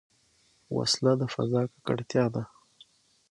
وسله د فضا ککړتیا ده